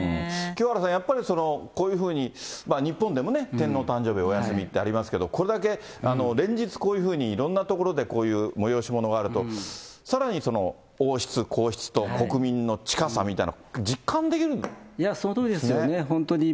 清原さん、やっぱりこういうふうに、日本でもね、天皇誕生日お休みってありますけれども、これだけ連日、こういうふうにいろんなところで、こういう催し物があると、さらに、王室、皇室と、そのとおりですよね、本当に。